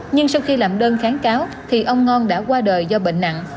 nhưng sau khi làm đơn kháng cáo thì ông ngon đã qua đời do bệnh nặng